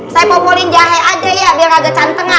saya popolin jahe aja ya biar nggak kecantengan